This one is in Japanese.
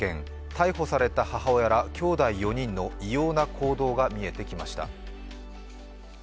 逮捕された母親ら、きょうだい４人の異様な行動が見えてきました。